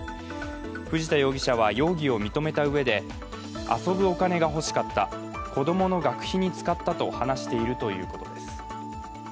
藤田容疑者は容疑を認めたうえで、遊ぶお金が欲しかった、子供の学費に使ったと話しているということです。